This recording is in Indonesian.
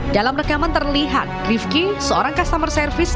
dalam rekaman terlihat rifki seorang customer service